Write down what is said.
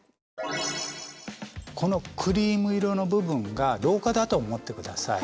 このクリーム色の部分が廊下だと思って下さい。